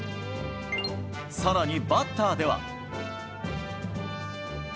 さらにバッターでは。